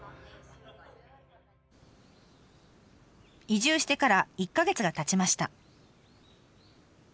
移住してから１か月がたちました。